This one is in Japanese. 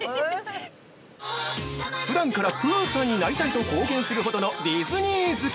◆ふだんからプーさんになりたいと公言するほどのディズニー好き。